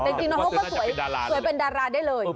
แต่จริงน้องโฮกก็สวยเป็นดาราได้เลย